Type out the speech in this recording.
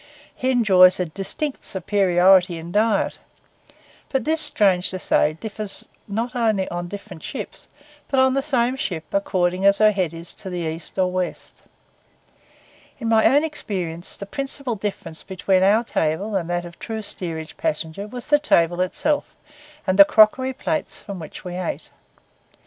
He enjoys a distinct superiority in diet; but this, strange to say, differs not only on different ships, but on the same ship according as her head is to the east or west. In my own experience, the principal difference between our table and that of the true steerage passenger was the table itself, and the crockery plates from which we ate.